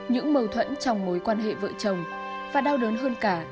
những mâu thuẫn trong mối quan hệ vợ chồng và đau đớn hơn cả